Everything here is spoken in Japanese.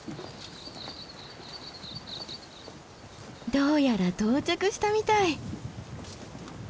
どうやら到着したみたい。